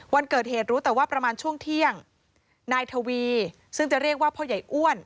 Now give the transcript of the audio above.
วันเกิดเหตุรู้แต่ว่าประมาณช่วงเที่ยงนายทวีซึ่งจะเรียกว่าพ่อใหญ่อ้วน